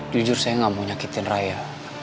jujur saya gak mau nyakitin raya